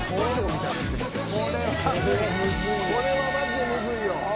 これはマジでむずいよ。